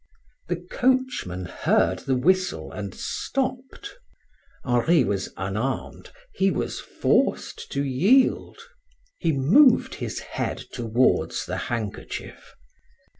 The coachman heard the whistle and stopped. Henri was unarmed, he was forced to yield. He moved his head towards the handkerchief.